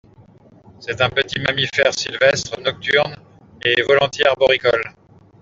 C'est un petit mammifère sylvestre, nocturne et volontiers arboricole.